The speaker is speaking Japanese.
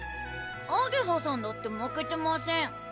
あげはさんだって負けてません